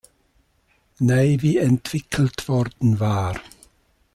Navy entwickelt worden war.